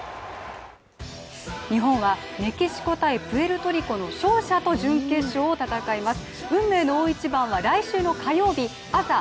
日本はメキシコ×プエルトリコの勝者と準決勝を戦います。